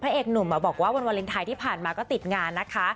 เอกหนุ่มบอกว่าวันวาเลนไทยที่ผ่านมาก็ติดงานนะคะ